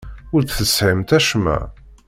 Ur d-tesɣimt acemma.